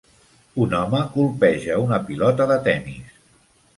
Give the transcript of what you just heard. Un home colpeja una pilota de tenis.